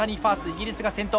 イギリスが先頭。